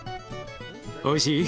おいしい？